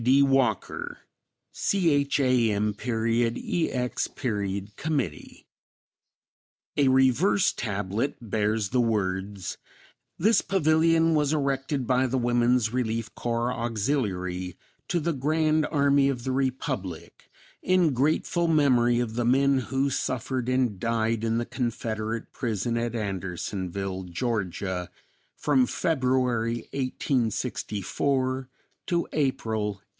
D. Walker, Cham. Ex. Committee. A reverse tablet bears the words: This Pavilion Was Erected by the WOMAN'S RELIEF CORPS Auxiliary to the Grand Army of the Republic In grateful memory of the men who suffered and died in the Confederate Prison at Andersonville, Georgia, From February, 1864, to April, 1865.